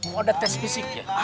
mau ada tes fisiknya